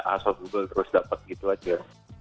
asal google terus dapat gitu aja